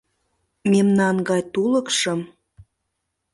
Мемнан гай тулыкшым